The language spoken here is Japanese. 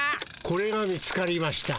これが見つかりました。